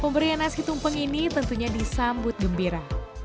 pemberian nasi tumpeng ini tentunya disambut gembira